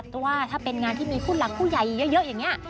เพราะว่าถ้าเป็นงานที่มีผู้หลักผู้ใหญ่เยอะอย่างนี้